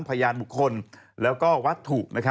พยานบุคคลแล้วก็วัตถุ